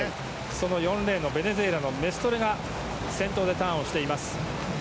その４レーンのベネズエラのメストレが先頭でターンしています。